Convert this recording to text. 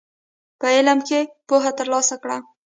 په علم کښېنه، پوهه ترلاسه کړه.